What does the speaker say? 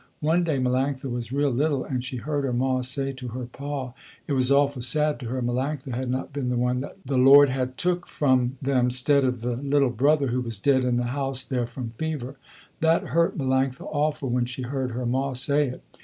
One day Melanctha was real little, and she heard her ma say to her pa, it was awful sad to her, Melanctha had not been the one the Lord had took from them stead of the little brother who was dead in the house there from fever. That hurt Melanctha awful when she heard her ma say it.